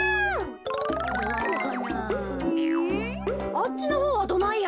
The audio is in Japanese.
あっちのほうはどないや？